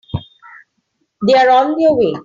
They're on their way.